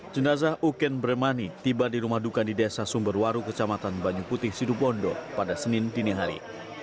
jenazah uken bermani tiba di rumah dukan di desa sumberwaru kecamatan banyu putih sidubondo pada senin dinihari